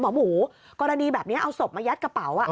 หมูกรณีแบบนี้เอาศพมายัดกระเป๋า